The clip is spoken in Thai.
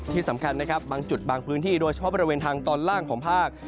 ที่สำคัญนะครับบางจุดบางพื้นที่โดยเฉพาะบริเวณทางตอนล่างของภาค